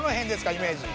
イメージ。